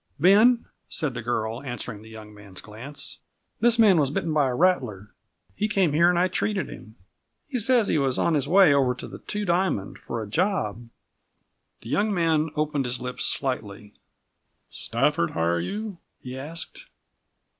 "Ben," said the girl, answering the young man's glance, "this man was bitten by a rattler. He came here, and I treated him. He says he was on his way over to the Two Diamond, for a job." The young man opened his lips slightly. "Stafford hire you?" he asked.